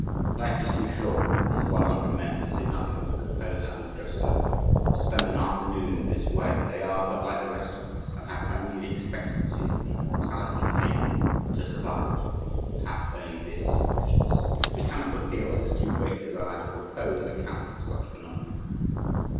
Life is too short for these one hundred men, to say nothing of the composer and the "dress circle," to spend an afternoon in this way. They are but like the rest of us, and have only the expectancy of the mortality table to survive perhaps only this "piece." We cannot but feel that a too great desire for "repose" accounts for such phenomena.